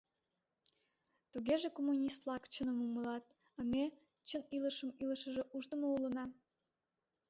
Тугеже коммунист-влак чыным умылат, а ме, чын илышым илышыже, ушдымо улына?